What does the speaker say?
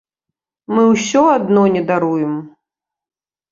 Мы ўсё адно не даруем!